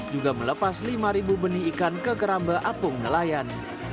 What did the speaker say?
juga melepas lima benih ikan ke keramba apung nelayan